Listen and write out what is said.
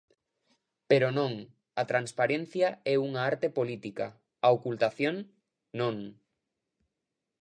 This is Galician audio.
Pero non, a transparencia é unha arte política; a ocultación, non.